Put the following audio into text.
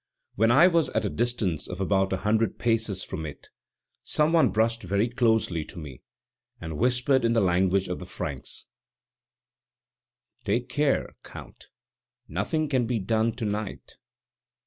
When I was at a distance of about a hundred paces from it, some one brushed very closely by me and whispered in the language of the Franks: "Take care, Count, nothing can be done to night."